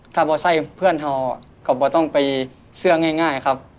ถ้าบ่ไส้เพื่อนห่อก็บ่ต้องไปเสื้อง่ายครับ